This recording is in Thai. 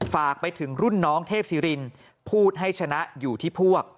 ฝากไปถึงรุ่นน้องเทพศิรินพูดให้ชนะอยู่ที่พวก